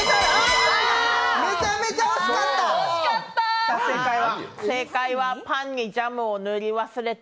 めちゃめちゃ惜しかった！